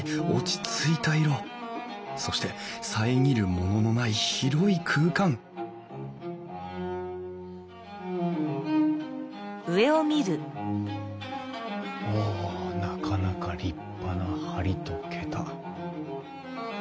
そして遮るもののない広い空間おなかなか立派な梁と桁。